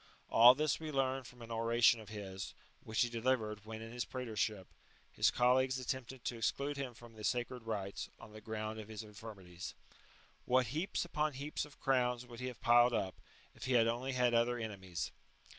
All this we learn from an oration of his, which he delivered when, in his praetorship, his colleagues attempted to exclude him from the sacred rites, on the ground of his infirmities.^® What heaps upon heaps of crowns would he have piled up, if he had only had other ene mies